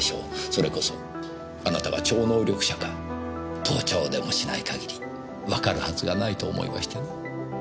それこそあなたが超能力者か盗聴でもしない限りわかるはずがないと思いましてね。